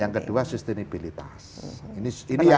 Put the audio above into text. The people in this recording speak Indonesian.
yang kedua sustainability